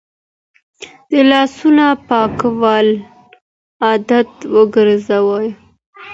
د لاسونو پاکول عادت وګرځوئ.